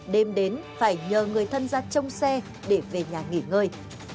đêm đến phải nhờ người thân ra trông xe để về nhà nghỉ ngơi